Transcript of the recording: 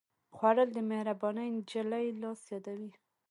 خوړل د مهربانې نجلۍ لاس یادوي